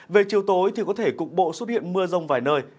về chiều tối thì có thể cục bộ xuất hiện mưa rông vài nơi